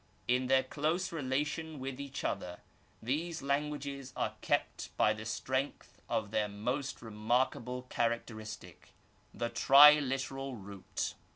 In their close relation with each other these languages are kept by the strength of their most remarkable characteristic^ the triliteral root.